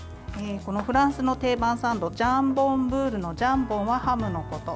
フランスの定番サンドジャンボンブールのジャンボンはハムのこと